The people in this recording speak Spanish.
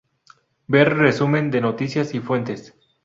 Ver Resumen de Noticias y Fuentes.